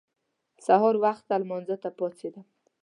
سهار وخته لمانځه ته پاڅېدم.